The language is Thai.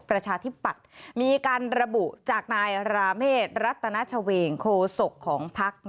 ประชาธิปัตย์มีการระบุจากนายราเมฆรัตนาชเวงโคศกของพัก